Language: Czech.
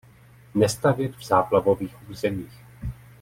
Nestavět v záplavových územích.